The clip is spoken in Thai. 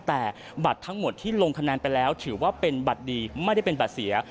แต่บัตรทั้งหมดที่ลงคะแนนไปแล้วถือว่าเป็นบัตรดีไม่ได้เป็นบัตรเสีย